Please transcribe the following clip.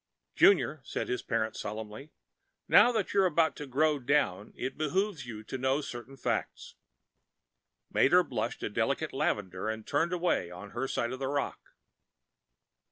"Junior," said his parent solemnly, "now that you are about to grow down, it behooves you to know certain facts." Mater blushed a delicate lavender and turned away on her side of the rock.